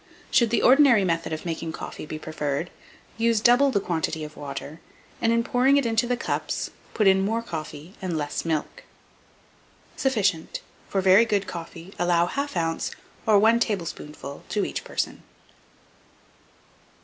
Should the ordinary method of making coffee be preferred, use double the quantity of water, and, in pouring it into the cups, put in more coffee and less milk. [Illustration: LOYSEL'S HYDROSTATIC URN.] Sufficient. For very good coffee, allow 1/2 oz., or 1 tablespoonful, to each person.